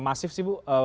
masif sih bu